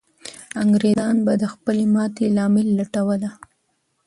انګریزان به د خپلې ماتې لامل لټوله.